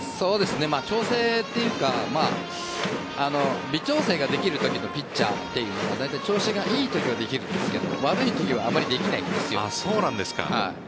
調整というか微調整ができるときのピッチャーというのはだいたい調子が良いときはできるんですが悪いときはあまりできないんです。